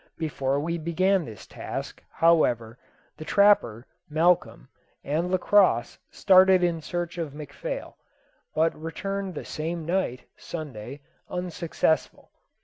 Before we began this task, however, the trapper, Malcolm, and Lacosse started in search of McPhail, but returned the same night (Sunday) unsuccessful.